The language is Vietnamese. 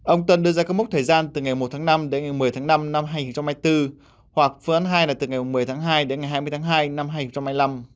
ông tuân đưa ra các mốc thời gian từ ngày một tháng năm đến ngày một mươi tháng năm năm hai nghìn hai mươi bốn hoặc phương án hai là từ ngày một mươi tháng hai đến ngày hai mươi tháng hai năm hai nghìn hai mươi năm